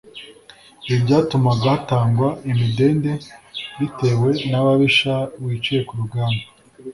ibi byatumaga hatangwa imidende bitewe n'ababisha wiciye ku rugamba